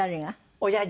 おやじ。